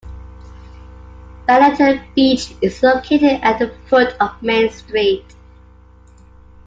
Betterton Beach is located at the foot of Main Street.